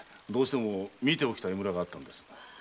どうしても見ておきたい村があったんです。